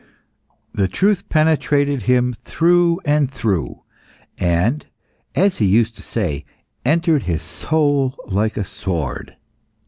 The truth penetrated him through and through, and as he used to say entered his soul like a sword.